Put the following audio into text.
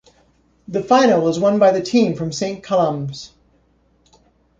The final was won by the team from Saint Columba's.